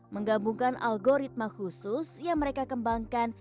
menggabungkan algoritma khusus yang mereka kembangkan